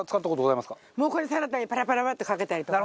もうこれサラダにパラパラパラってかけたりとか。